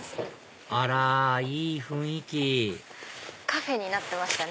あらいい雰囲気カフェになってましたね。